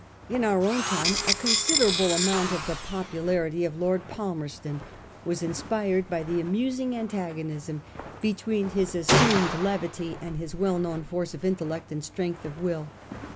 In our own time a considerable amount of the popularity of Lord Palmerston was inspired by the amusing antagonism between his assumed levity and his well known force of intellect and strength of will.